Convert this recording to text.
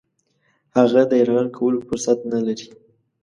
هغه د یرغل کولو فرصت نه لري.